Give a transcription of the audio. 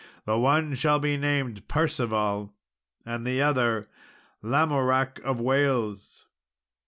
The one shall be named Percival, and the other Lamoracke of Wales."